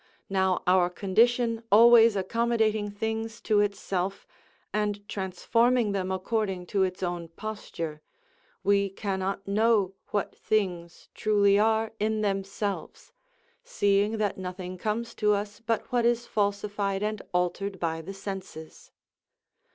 Now, our condition always accommodating things to itself, and transforming them according to its own posture, we cannot know what things truly are in themselves, seeing that nothing comes to us but what is falsified and altered by the senses.